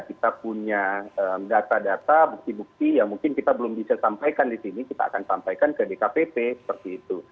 kita punya data data bukti bukti yang mungkin kita belum bisa sampaikan di sini kita akan sampaikan ke dkpp seperti itu